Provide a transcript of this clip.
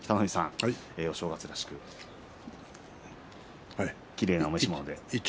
お正月らしくきれいなお召し物で。